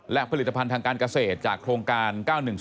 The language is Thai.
และผลิตภัณฑ์ทางการเกษตรจากโครงการ๙๑๒